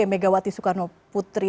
megawati soekarno putri